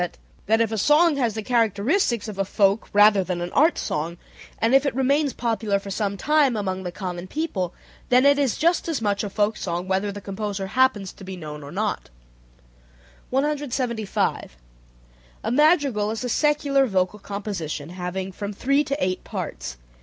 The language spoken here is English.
that if a song has the characteristics of a folk rather than an art song, and if it remains popular for some time among the common people, then it is just as much a folk song whether the composer happens to be known or not. 175. A madrigal is a secular vocal composition having from three to eight parts.